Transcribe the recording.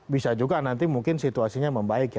bisa juga nanti mungkin situasinya membaik ya